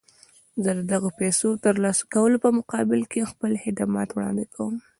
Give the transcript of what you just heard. زه د دغو پيسو د ترلاسه کولو په مقابل کې خپل خدمات وړاندې کوم.